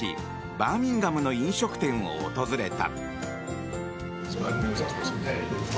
バーミンガムの飲食店を訪れた。